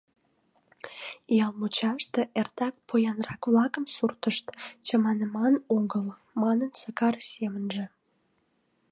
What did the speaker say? «Ял мучаште эртак поянрак-влакын суртышт, чаманыман огыл», — манын Сакар семынже.